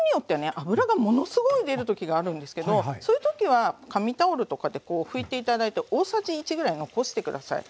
脂がものすごい出る時があるんですけどそういう時は紙タオルとかでこう拭いて頂いて大さじ１ぐらい残して下さい。